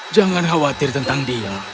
jangan khawatir tentang dia